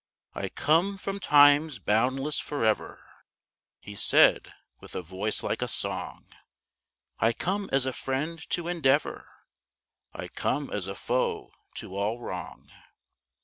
"I come from Time's boundless forever," He said, with a voice like a song. "I come as a friend to endeavor, I come as a foe to all wrong.